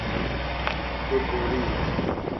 Tu boriyî.